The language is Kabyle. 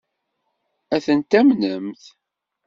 Ad ten-tamnemt?